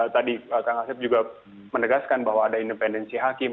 tadi kang asep juga menegaskan bahwa ada independensi hakim